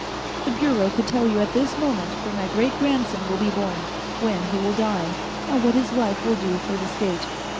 The Bureau could tell you at this moment when my great grandson will be born, when he will die, and what his life will do for the State.